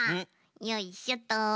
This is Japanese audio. よいしょと。